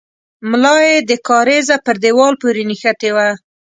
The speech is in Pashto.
ملا يې د کارېزه پر دېوال پورې نښتې وه.